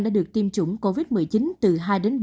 đã được tiêm chủng covid một mươi chín từ hai đến ba mươi